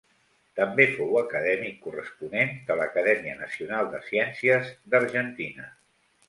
També fou acadèmic corresponent de l'Acadèmia Nacional de Ciències d'Argentina.